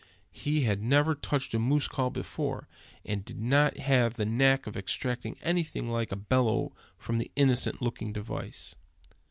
He had never touched a moose call before, and did not have the knack of extracting anything like a bellow from the innocent looking device.